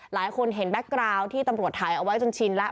หลายคนเห็นแก๊กกราวที่ตำรวจถ่ายเอาไว้จนชินแล้ว